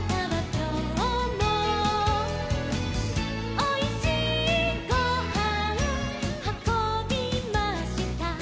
「おいしいごはんはこびました」